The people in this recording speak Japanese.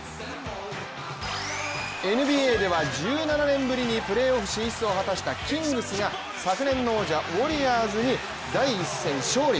ＮＢＡでは１７年ぶりにプレーオフ進出を果たしたキングスが昨年の王者ウォリアーズに第１戦勝利。